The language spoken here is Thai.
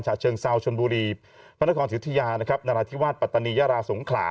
ฉะเชิงเซาชนบุรีพระนครศิษยานรทิวาสปัตตานียาราสงขรา